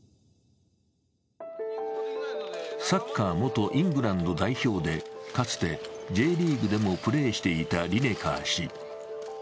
サッカー元イングランド代表でかつてＪリーグでもプレーしていたリネカー氏。